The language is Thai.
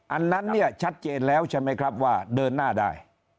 อันนั้นเนี่ยชัดเจนแล้วใช่ไหมครับว่าเดินหน้าได้